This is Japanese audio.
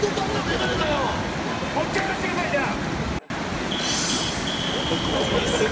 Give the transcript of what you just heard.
もう１回やらせてくださいじゃあ！